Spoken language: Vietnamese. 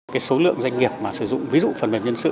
cái số lượng doanh nghiệp mà sử dụng ví dụ phần mềm nhân sự